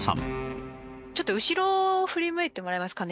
ちょっと後ろを振り向いてもらえますかね？